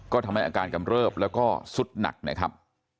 ก็ทำให้อาการกำเริบแล้วก็สุดหนักนะครับ